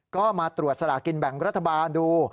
ก็มาตรวจสลากินแบ่งรัฐบาลดู